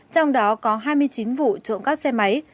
trong đó có hai mươi chín vụ trộm cắp xe máy